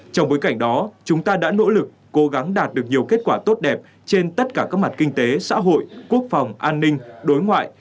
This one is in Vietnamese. trong bối cảnh đó chúng ta đã nỗ lực cố gắng đạt được nhiều kết quả tốt đẹp trên tất cả các mặt kinh tế xã hội quốc phòng an ninh đối ngoại